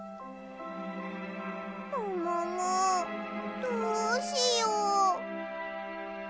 もももどうしよう。